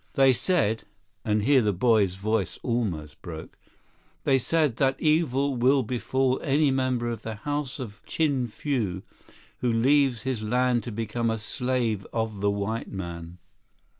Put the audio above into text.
They said"—and here the boy's voice almost broke—"they said that evil will befall any member of the House of Chin Fu who leaves his land to become a slave of the white man."